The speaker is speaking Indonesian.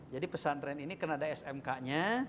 jadi pesantren ini karena ada smk nya